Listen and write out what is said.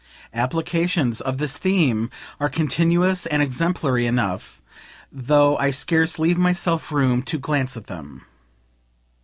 Applications of this scheme are continuous and exemplary enough, though I scarce leave myself room to glance at them.